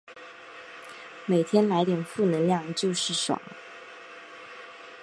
每天来点负能量就是爽